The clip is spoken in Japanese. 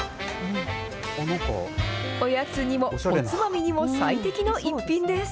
おやつにもおつまみにも、最適の一品です。